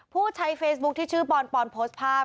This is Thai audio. ผู้ใช้เฟซบุ๊คที่ชื่อปอนปอนโพสต์ภาพ